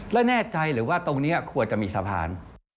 แล้วแน่ใจหรือว่าตรงนี้ควรจะมีสะพาน